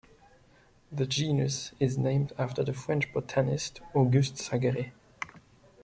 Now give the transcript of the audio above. The genus is named after the French botanist Auguste Sageret.